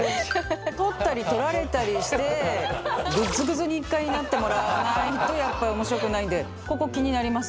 取ったり取られたりしてグッズグズに１回なってもらわないとやっぱ面白くないんでここ気になりますよね。